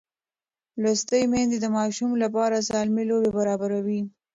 لوستې میندې د ماشوم لپاره سالمې لوبې برابروي.